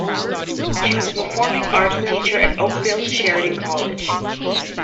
She was a performing arts teacher at Oakville's Sheridan College.